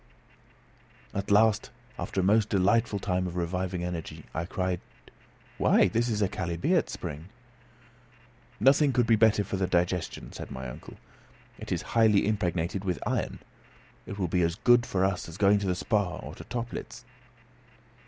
At last after a most delightful time of reviving energy, I cried, "Why, this is a chalybeate spring!" "Nothing could be better for the digestion," said my uncle. "It is highly impregnated with iron. It will be as good for us as going to the Spa, or to Töplitz."